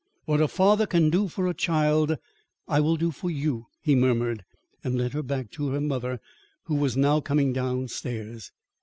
"What a father can do for a child, I will do for you," he murmured, and led her back to her mother, who was now coming down stairs.